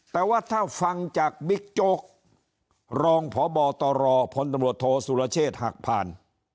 แต่ว่าถ้าฟังจากบิ๊กโจ๊กรองพบตรพลตำรวจโทษสุรเชษฐ์หักผ่าน